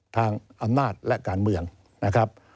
ทางอำนาจและการเมืองนะครับ